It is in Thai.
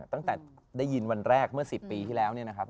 ตั้งแต่ได้ยินวันแรกเมื่อ๑๐ปีที่แล้วเนี่ยนะครับ